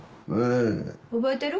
覚えてる？